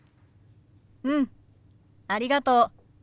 うんありがとう。